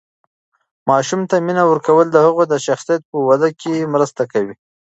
ماشوم ته مینه ورکول د هغه د شخصیت په وده کې مرسته کوي.